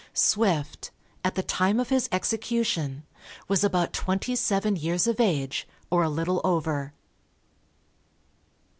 _ Swift, at the time of his execution, was about twenty seven years of age, or a little over.